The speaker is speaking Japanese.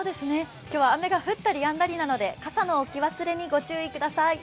今日は雨が降ったりやんだりなので、傘の置き忘れにご注意ください。